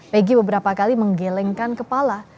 peggy beberapa kali menggelengkan kepala